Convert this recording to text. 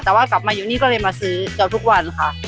แต่ว่ากลับมาอยู่นี่ก็เลยมาซื้อเกือบทุกวันค่ะ